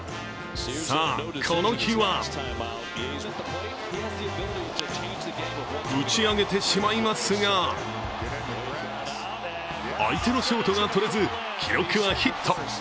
さあ、この日は打ち上げてしまいますが、相手のショートが取れず、記録はヒット。